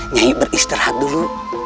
nyai beristirahat dulu